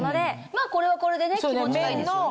まぁこれはこれでね気持ちがいいですよね。